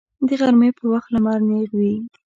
د غرمې په وخت لمر نیغ وي